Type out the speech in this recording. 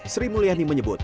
sri mulyani menyebut